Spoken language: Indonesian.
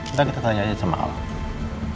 ntar kita tanya aja sama alde